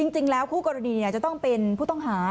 จริงแล้วคู่กรณีจะต้องเป็นผู้ต้องหา